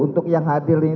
untuk yang hadir ini